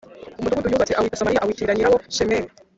Umudugudu yubatse awita Samariya, awitirira nyirawo Shemeri